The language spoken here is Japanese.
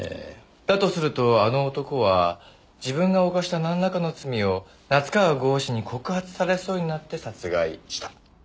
だとすると「あの男」は自分が犯したなんらかの罪を夏河郷士に告発されそうになって殺害した。